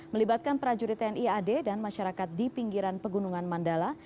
melibatkan prajurit tni ad dan masyarakat di pinggiran pegunungan mandala